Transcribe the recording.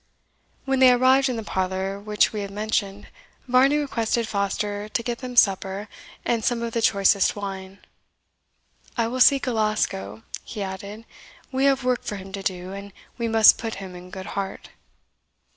When they arrived in the parlour which we have mentioned, Varney requested Foster to get them supper, and some of the choicest wine. "I will seek Alasco," he added; "we have work for him to do, and we must put him in good heart."